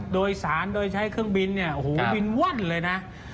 โดยสารโดยใช้เครื่องบินเนี่ยโอ้โหบินว่อนเลยนะ